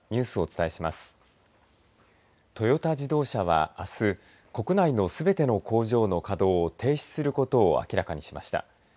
トヨタ自動車はあす国内のすべての工場の稼働を停止することを明らかにしました。